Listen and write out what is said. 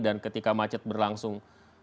dan ketika macet berlangsung